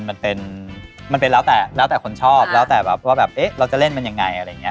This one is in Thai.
มันเป็นมันเป็นแล้วแต่แล้วแต่คนชอบแล้วแต่แบบว่าแบบเอ๊ะเราจะเล่นมันยังไงอะไรอย่างนี้